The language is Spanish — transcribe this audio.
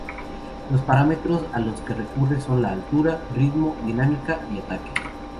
Los parámetros a los que recurre son la altura, ritmo, dinámica y ataque.